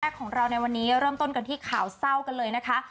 ของเราในวันนี้เริ่มต้นกันที่ข่าวเศร้ากันเลยนะคะ